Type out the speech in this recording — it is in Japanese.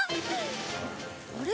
あれ？